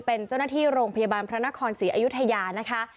เป็นเจ้าหน้าที่โรงพยาบาลพระนครศรีอยุธยานะคะ